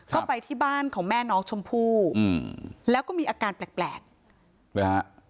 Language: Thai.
ก็ไปที่บ้านของแม่น้องชมพู่อืมแล้วก็มีอาการแปลกเลยฮะ